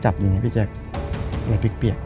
จับอย่างนี้พี่แจ๊กเอาเร็วเปรียกปีก